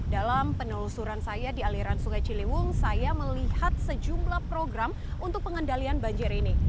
dalam penelusuran saya di aliran sungai ciliwung saya melihat sejumlah program untuk pengendalian banjir ini